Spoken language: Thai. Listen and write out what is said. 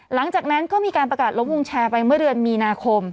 หลังจากนั้นก็มีการประกาศลบวงแชร์ไปเมื่อเดือนมีนาคม